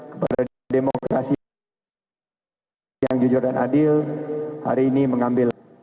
kepada demokrasi yang jujur dan adil hari ini mengambil